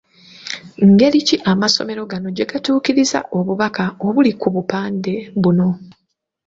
Ngeri ki amasomero gano gye gatuukiriza obubaka obuli ku bupande buno?